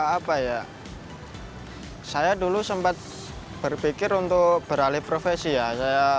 apa ya saya dulu sempat berpikir untuk beralih profesi ya